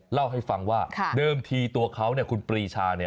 เล่าให้ฟังว่าเดิมทีตัวเขาคุณปรีชา